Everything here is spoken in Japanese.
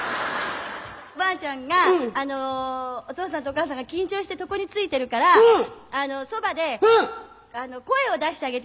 おばあちゃんがおとうさんとおかあさんが緊張して床に就いてるからそばで声を出してあげてた。